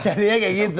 jadinya kayak gitu